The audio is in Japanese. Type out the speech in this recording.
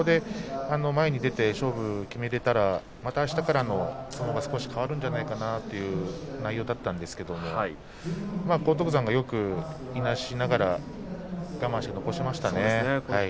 前に出て勝負を決めていければあしたからの相撲が少し変わるんじゃないかという内容だったんですが荒篤山がよくいなしを押しながら我慢して残しましたね。